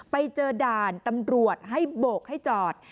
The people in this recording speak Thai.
ไปเจอด่านตำรวจให้โบกให้จอด